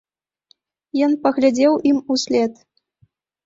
Ён паглядзеў ім услед.